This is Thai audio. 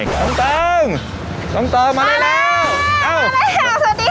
น้องตองน้องตองมาแล้วอ้าวมาแล้วสวัสดีครับ